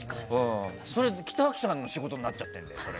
北脇さんの仕事になっちゃってるんだよ。